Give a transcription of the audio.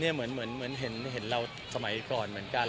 เหมือนเห็นเราสมัยก่อนเหมือนกัน